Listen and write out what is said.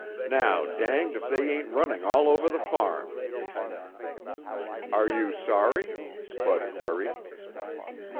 Now danged if they ain't running all over the farm." "Are you sorry?" Bud queried.